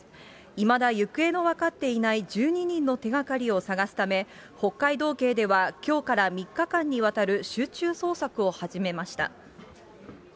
いまだ行方の分かっていない１２人の手がかりを捜すため、北海道警ではきょうから３日間にわたる集中捜索を始めました。